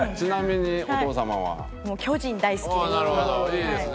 いいですね。